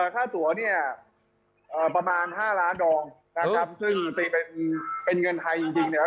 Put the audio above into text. ค่าตั๋วเนี่ยประมาณ๕ล้านดองในงานไทยจริงเนี่ย